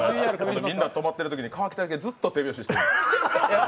みんな止まってるときに川北だけずっと手拍子してる。